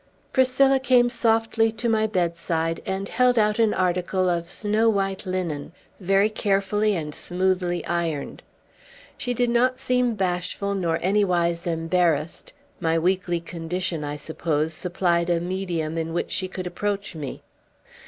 Priscilla came softly to my bedside, and held out an article of snow white linen, very carefully and smoothly ironed. She did not seem bashful, nor anywise embarrassed. My weakly condition, I suppose, supplied a medium in which she could approach me.